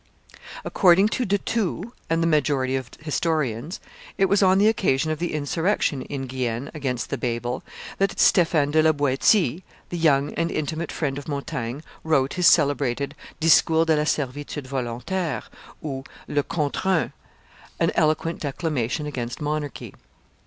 According to De Thou and the majority of historians, it was on the occasion of the insurrection in Guienne against the Babel that Stephen de la Boetie, the young and intimate friend of Montaigne, wrote his celebrated Discours de la Servitude voluntaire, ou le Contre un, an eloquent declamation against monarchy.